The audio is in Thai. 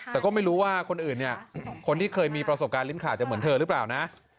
แต่ก็ไม่รู้ว่าคนอื่นเนี่ยคนที่เคยมีประสบการณ์ลิ้นขาจะเหมือนเธอหรือเปล่านะ